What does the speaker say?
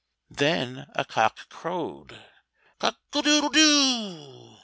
Then a cock crowed, Cock a doodle doo!